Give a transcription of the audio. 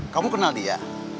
kamu kenal dia